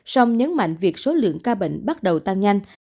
song nhấn mạnh việc số lượng ca bệnh bắt đầu tăng nhanh